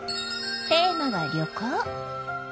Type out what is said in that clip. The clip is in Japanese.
テーマは「旅行」！